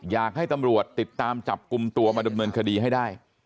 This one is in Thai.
อยากให้ตำรวจติดตามจับกลุ่มตัวมาดำเนินคดีให้ได้